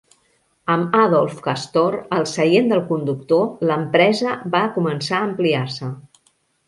Amb Adolph Kastor al seient del conductor, l'empresa va començar a ampliar-se.